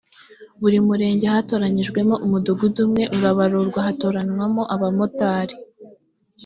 buri murenge hatoranyijwemo umudugudu umwe urabarurwa hagatoranywamo abamotari